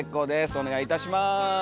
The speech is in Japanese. お願いいたします。